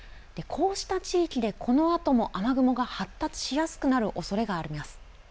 こうした地域でこのあとも雨雲が発達しやすくなるおそれがあります。